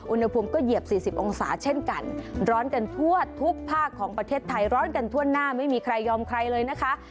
อุณหภูมิก็เหยียบ๔๐องศาเช่นกันร้อนกันทั่วทุกภาคของประเทศไทยร้อนกันทั่วหน้าไม่มีใครยอมใครเลยนะคะ